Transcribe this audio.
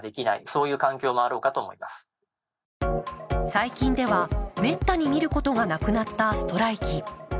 最近ではめったに見ることがなくなったストライキ。